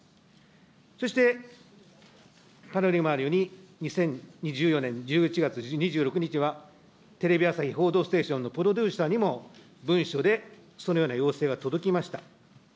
そしてパネルにもあるように、２０１４年１１月２６日は、テレビ朝日、報道ステーションのプロデューサーにも文書で、そのような要請が届きました。